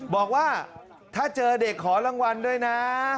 บอกว่าถ้าเจอเด็กขอรางวัลด้วยนะ